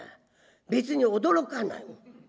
別に驚かない。